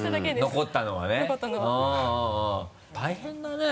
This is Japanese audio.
大変だね。